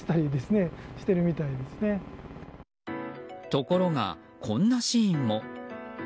ところが、こんなシーンも。